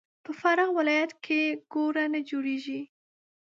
په فراه ولایت کې ګوړه نه جوړیږي.